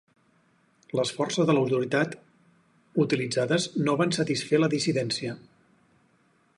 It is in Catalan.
Les forces de l'autoritat utilitzades no van satisfer la dissidència.